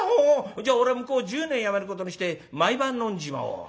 じゃあ俺向こう１０年やめることにして毎晩飲んじまおう」。